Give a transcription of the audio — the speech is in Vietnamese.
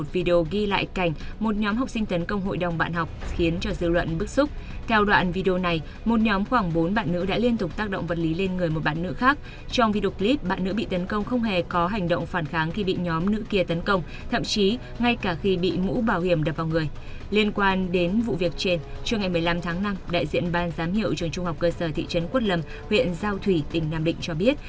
trường trung học cơ sở thị trấn quất lâm huyện giao thủy tỉnh nam định cho biết